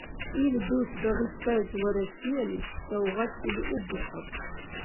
Ил дус Дагъистайс ва Россиялис сахаватсили уббухъаб!